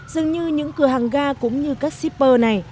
dường như những cửa hàng ga cũng như các shipper này